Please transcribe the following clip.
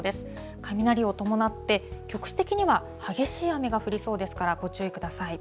雷を伴って、局地的には激しい雨が降りそうですから、ご注意ください。